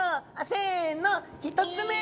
せの１つ目。